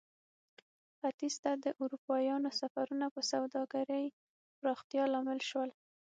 ختیځ ته د اروپایانو سفرونه د سوداګرۍ پراختیا لامل شول.